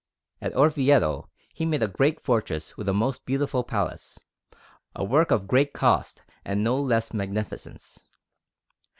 At Orvieto he made a great fortress with a most beautiful palace a work of great cost and no less magnificence.